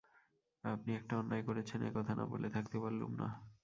আপনি একটা অন্যায় করছেন–এ-কথা না বলে থাকতে পারলুম না।